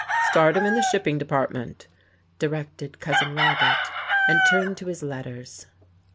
"Start him in the shipping department," directed Cousin Robert, and turned to his letters.